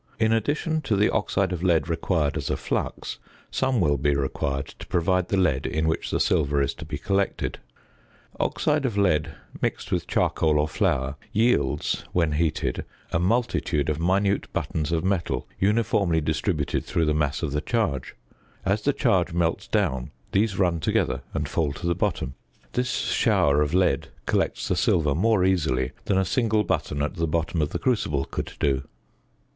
In addition to the oxide of lead required as a flux, some will be required to provide the lead in which the silver is to be collected. Oxide of lead, mixed with charcoal or flour, yields, when heated, a multitude of minute buttons of metal uniformly distributed through the mass of the charge; as the charge melts down these run together and fall to the bottom; this shower of lead collects the silver more easily than a single button at the bottom of the crucible could do.